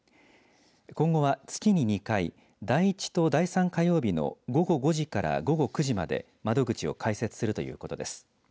今後は月に２回第１と第３火曜日の午後５時から午後９時まで窓口を開設するということです。